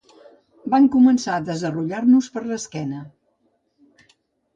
Van començar a desallotjar-nos per l’esquena.